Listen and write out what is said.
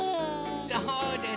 そうです